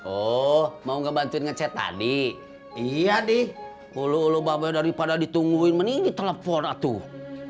oh mau ngebantuin ngechat tadi iya deh ulu ulu babaya daripada ditungguin mending di telepon atuh